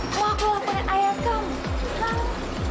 kau laporan ayah kamu